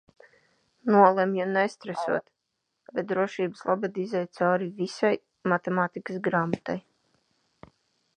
Nolemju nestresot, bet drošības labad izeju cauri visai matemātikas grāmatai.